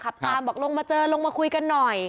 ขับตามบอกลงมาเจอลงมาคุยกันหน่อย